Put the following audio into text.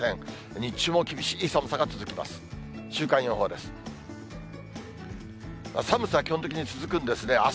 日中も厳しい寒さが続きます。